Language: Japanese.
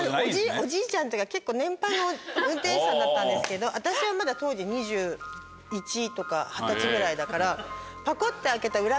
おじいちゃんというか結構年配の運転手さんだったんですけど私はまだ当時２１とか二十歳ぐらいだからパコって開けた裏